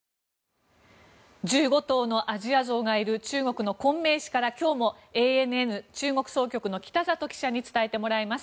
１５頭のアジアゾウがいる中国の昆明市から今日もＡＮＮ中国総局の北里記者に伝えてもらいます。